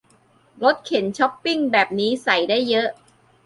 รถเข็นช้อปปิ้งแบบนี้ใส่ได้เยอะ